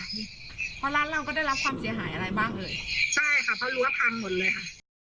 เพราะร้านเราก็ได้รับความเสียหายอะไรบ้างเลยใช่ค่ะเพราะรั้วพังหมดเลยค่ะ